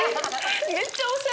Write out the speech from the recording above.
めっちゃおしゃれ！